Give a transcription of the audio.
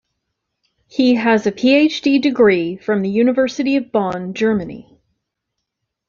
He has a Ph.D. degree from the University of Bonn, Germany.